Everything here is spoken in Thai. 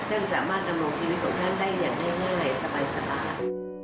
ท่านสามารถดำรงชีวิตของท่านได้อย่างง่ายสบาย